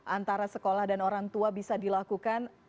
antara sekolah dan orang tua bisa dilakukan